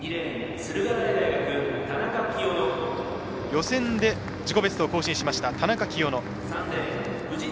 予選で自己ベストを更新しました田中きよの。